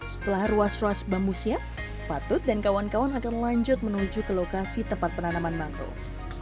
setelah ruas ruas bambu siap patut dan kawan kawan akan lanjut menuju ke lokasi tempat penanaman mangrove